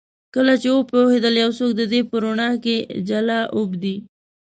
کله چې وپوهیدل یو څوک د دې په روڼا کې جال اوبدي